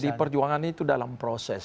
pdi perjuangan itu dalam proses